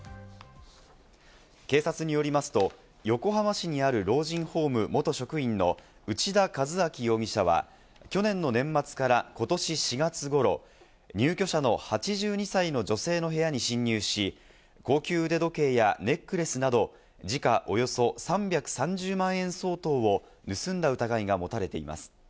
警察によりますと、横浜市にある老人ホーム元職員の内田和彰容疑者は去年の年末からことし４月ごろ、入居者の８２歳の女性の部屋に侵入し、高級腕時計やネックレスなど時価およそ３３０万円相当を盗んだ疑いが持たれています。